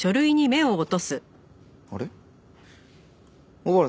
あれ？